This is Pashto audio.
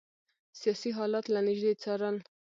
سیاسي حالات له نیژدې څارل.